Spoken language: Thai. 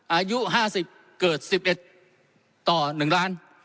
อายุ๕๐เกิด๑๑ต่อ๑ล้าน